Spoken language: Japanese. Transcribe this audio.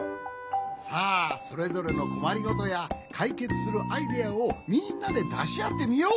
さあそれぞれのこまりごとやかいけつするアイデアをみんなでだしあってみよう。